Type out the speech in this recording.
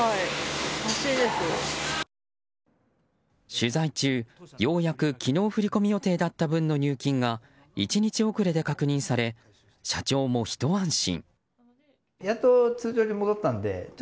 取材中、ようやく昨日振り込み予定だった分の入金が１日遅れで確認され社長もひと安心。